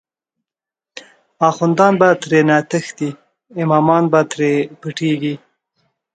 اخوندان به ترینه تښتی، امامان به تری پټیږی